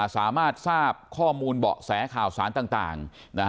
ทราบข้อมูลเบาะแสข่าวสารต่าง